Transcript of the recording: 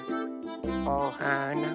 おはな。